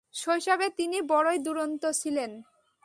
শৈশবে তিনি বড়ই দুরন্ত ছিলেন।